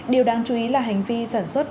điều đáng chú ý là hành vi sản xuất